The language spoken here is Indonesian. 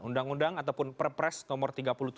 undang undang ataupun perpres nomor tiga puluh tujuh